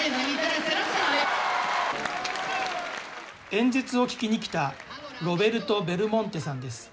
演説を聴きにきたロベルト・ベルモンテさんです。